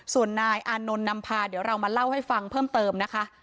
ส่วนนายอานนท์นำพาเดี๋ยวเรามาเล่าให้ฟังเพิ่มเติมนะคะ